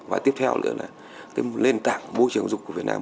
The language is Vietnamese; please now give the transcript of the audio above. và tiếp theo nữa là cái nền tảng môi trường giáo dục của việt nam